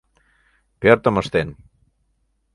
Пӧртым ыштен...